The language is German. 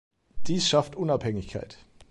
Dies schafft Unabhängigkeit.